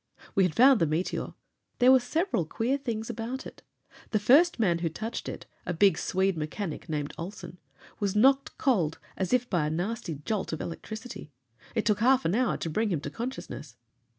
We had found the meteor. There were several queer things about it. The first man who touched it a big Swede mechanic named Olson was knocked cold as if by a nasty jolt of electricity. It took half an hour to bring him to consciousness.